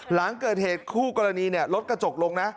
หลังเกิดเหตุคู่กรณีรถกระจกลงนะ